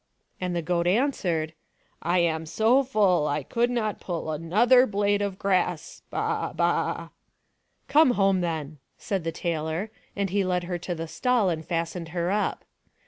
" And the goat answered, " I am so full I could not pull Another blade of grass — ba ! baa !''" Come home then," said the tailor, and he led her to her stall and fastened her up.